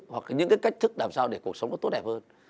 hoặc là những cái cách thức làm sao để cuộc sống có tốt đẹp hơn